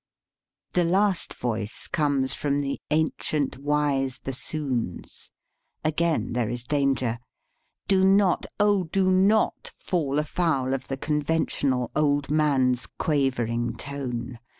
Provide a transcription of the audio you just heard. The last voice comes from the "ancient wise bassoons." Again there is danger. Do not, oh! do not fall afoul of the conventional old man's quavering tone.